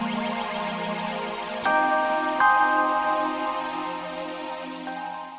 begitulah tentu saja hamba bersedia berfungsi